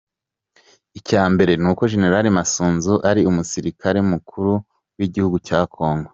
Icyambere nuko General Masunzu ari umusirikare mukuru w’igihugu cya Kongo.